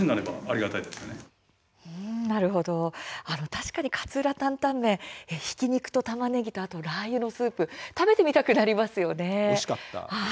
確かに勝浦タンタンメンひき肉とたまねぎとラーユのスープ食べてみたくなりますよね。